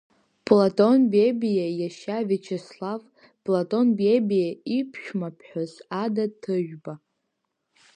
Платон Бебиа иашьа Виачеслав платон Бебиа иԥшәмаԥҳәыс Ада Ҭыжәба.